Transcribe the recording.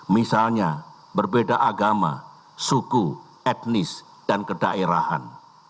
misalnya berbeda agama suku etnis dan kedaerahan